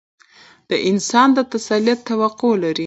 د انسان د تسلط توقع لري.